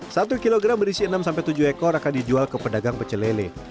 satu kilogram berisi enam tujuh ekor akan dijual ke pedagang pecelele